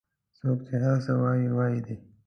څوک چې هر څه وایي وایي دي